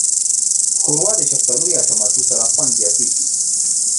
ښوروا د شفتالو یا ټماټو سره خوند زیاتیږي.